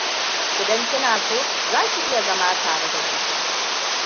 Idan kina so za ki iya zama tare da mu.